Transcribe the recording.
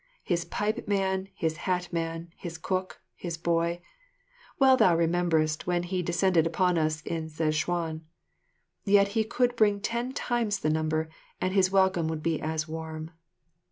His pipe man, his hat man, his cook, his boy well, thou rememberest when he descended upon us in Sezchuan yet he could bring ten times the number, and his welcome would be as warm.